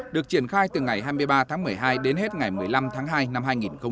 được triển khai từ ngày hai mươi ba tháng một mươi hai đến hết ngày một mươi năm tháng hai năm hai nghìn hai mươi